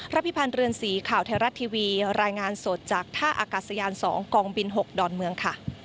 พิพันธ์เรือนสีข่าวไทยรัฐทีวีรายงานสดจากท่าอากาศยาน๒กองบิน๖ดอนเมืองค่ะ